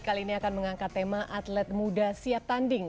kali ini akan mengangkat tema atlet muda siap tanding